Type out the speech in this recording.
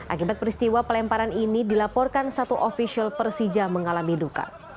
akibat peristiwa pelemparan ini dilaporkan satu ofisial persija mengalami duka